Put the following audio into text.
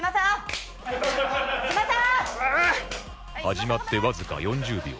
始まってわずか４０秒